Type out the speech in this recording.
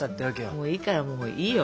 もういいからもういいよ。